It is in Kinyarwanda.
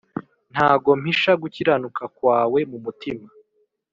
Ntabwo mpisha gukiranuka kwawe mu mutima